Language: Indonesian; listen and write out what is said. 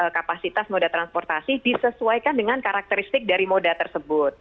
kapasitas moda transportasi disesuaikan dengan kapasitas